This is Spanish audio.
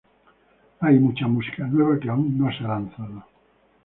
Hay mucha música nueva que aún no se ha lanzado".